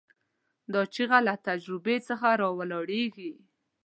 دا چیغه له تجربې څخه راولاړېږي.